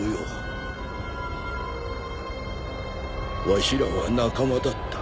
わしらは仲間だった。